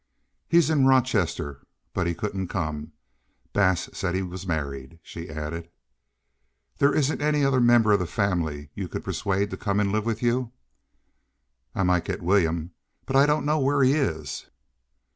"He's in Rochester, but he couldn't come. Bass said he was married," she added. "There isn't any other member of the family you could persuade to come and live with you?" "I might get William, but I don't know where he is."